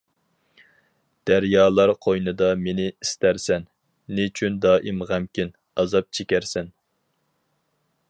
دەريالار قوينىدا مېنى ئىستەرسەن، نېچۈن دائىم غەمكىن، ئازاب چېكەرسەن.